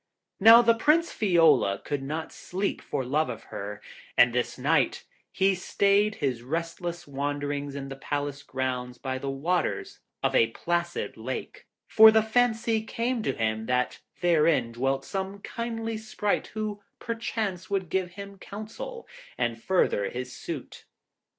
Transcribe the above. Now the Prince Fiola could not sleep for love of her, and this night he stayed his restless wanderings in the Palace grounds by the waters of a placid lake, for the fancy came to him that therein dwelt some kindly Sprite who, perchance, would give him counsel and further his suit.